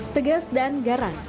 tegas dan garang